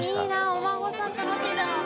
お孫さん楽しいだろうな。